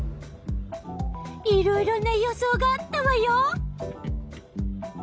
いろいろな予想があったわよ。